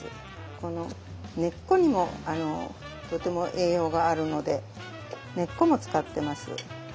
この根っこにもとても栄養があるので根っこも使ってます。